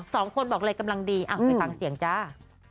สองคนบอกเลยกำลังดีไปฟังเสียงจ้า